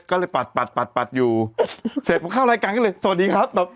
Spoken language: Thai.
กันเลยก็เลยปัดอยู่เสร็จเข้ารายการก็เลยสวัสดีครับ